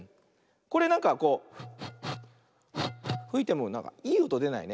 これなんかこうふいてもなんかいいおとでないね。